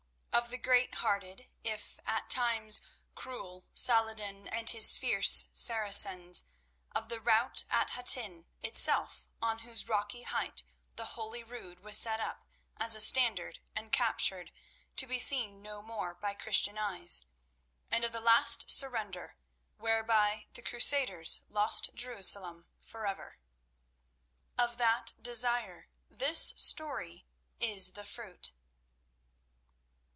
Of the great hearted, if at times cruel Saladin and his fierce Saracens; of the rout at Hattin itself, on whose rocky height the Holy Rood was set up as a standard and captured, to be seen no more by Christian eyes; and of the Iast surrender, whereby the Crusaders lost Jerusalem forever. Of that desire this story is the fruit.